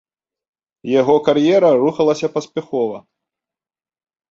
Яго кар'ера рухалася паспяхова.